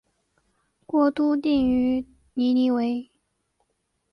国都定于尼尼微。